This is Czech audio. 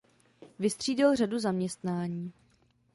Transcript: Vystřídal řadu zaměstnání.